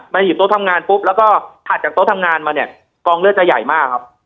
หยิบโต๊ะทำงานปุ๊บแล้วก็ถัดจากโต๊ะทำงานมาเนี่ยกองเลือดจะใหญ่มากครับ